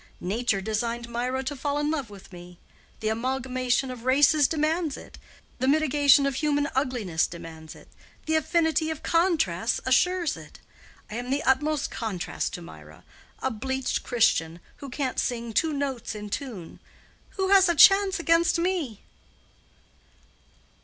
Nature designed Mirah to fall in love with me. The amalgamation of races demands it—the mitigation of human ugliness demands it—the affinity of contrasts assures it. I am the utmost contrast to Mirah—a bleached Christian, who can't sing two notes in tune. Who has a chance against me?"